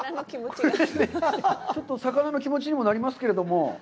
ちょっと魚の気持ちにもなりますけれども。